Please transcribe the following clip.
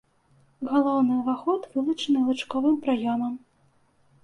Галоўны ўваход вылучаны лучковым праёмам.